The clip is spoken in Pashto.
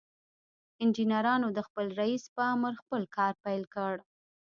انجنيرانو د خپل رئيس په امر خپل کار پيل کړ.